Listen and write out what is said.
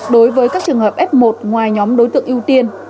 đối với các trường hợp f một ngoài nhóm đối tượng ưu tiên